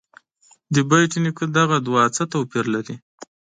د بېټ نیکه دغه دعا څه توپیر لري.